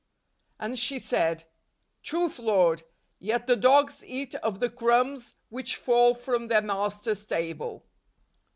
" And she said. Truth, Lord: yet the dogs eat oj the crumbs which fall from their masters' table."